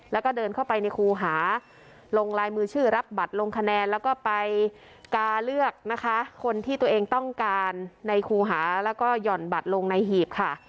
แล้วก็เดินเข้าไปในครูหาลงลายมือชื่อรับบัตรลงคะแนนแล้วก็ไปกาเลือกนะคะคนที่ตัวเองต้องการในครูหาแล้วก็หย่อนบัตรลงในหีบค่ะ